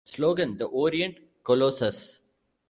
Slogan: The Orient Colossus.